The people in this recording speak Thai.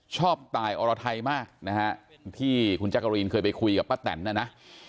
ชอบตายอรไทยมากนะฮะที่คุณจักรีนเคยไปคุยกับป้าแตนนะนะ